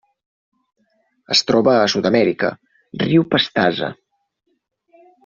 Es troba a Sud-amèrica: riu Pastaza.